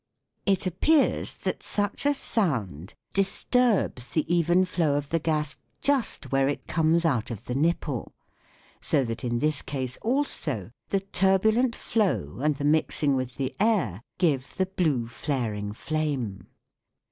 It appears that such a sound disturbs the even flow of the gas just where it comes out of the nipple, so that in this case also the turbulent flow and the mixing with the air give the blue flaring flame.